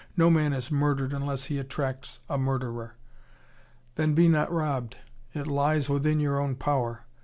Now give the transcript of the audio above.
No man is murdered unless he attracts a murderer. Then be not robbed: it lies within your own power.